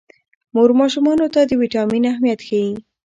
مور ماشومانو ته د ویټامین اهمیت ښيي.